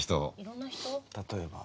例えば？